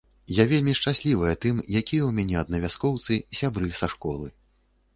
Я вельмі шчаслівая тым, якія ў мяне аднавяскоўцы, сябры са школы.